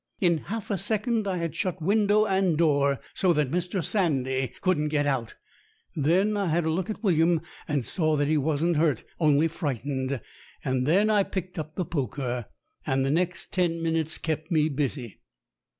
In half a second I had shut window and door, so that Mister Sandy couldn't get out. Then I had a look at William and saw that he wasn't hurt, only frightened. And then I picked up the poker, and the next ten minutes kept me busy.